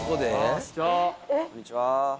こんにちは。